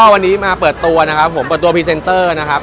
วันนี้มาเปิดตัวนะครับผมเปิดตัวพรีเซนเตอร์นะครับ